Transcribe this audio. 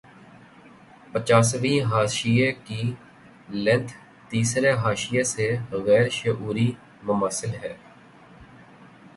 پچاسویں حاشیے کی لینتھ تیسرے حاشیے سے غیر شعوری مماثل ہے